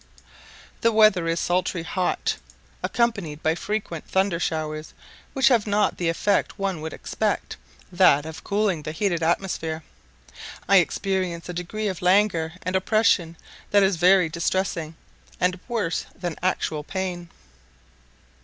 The weather is sultry hot, accompanied by frequent thunder showers, which have not the effect one would expect, that of cooling the heated atmosphere. I experience a degree of languor and oppression that is very distressing, and worse than actual pain.